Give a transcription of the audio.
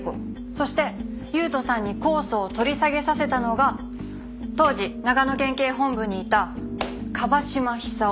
そして優人さんに控訴を取り下げさせたのが当時長野県警本部にいた椛島寿夫。